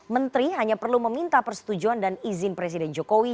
menteri hanya perlu meminta persetujuan dan izin presiden jokowi